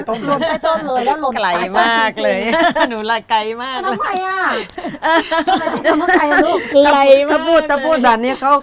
ทีนี้ลูกสาวอ่ะ